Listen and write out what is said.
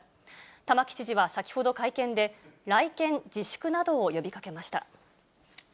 玉城知事は先ほど会見で、来県自粛などを呼びかけました。